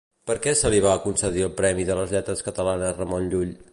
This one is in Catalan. Per què se li va concedir el Premi de les Lletres Catalanes Ramon Llull?